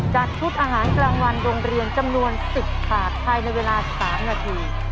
จัดชุดอาหารกลางวันโรงเรียนจำนวน๑๐ถาดภายในเวลา๓นาที